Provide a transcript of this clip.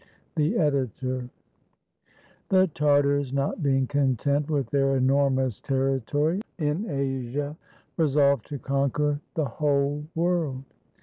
The Editor.] The Tartars, not being content with their enormous territory in Asia, resolved to conquer the whole world.